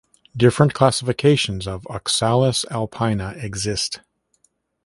Different classifications of "Oxalis alpina" exist.